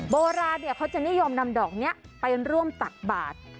โบราณเขาจะนิยมนำดอกนี้ไปร่วมตักบาท